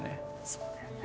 そうだよね。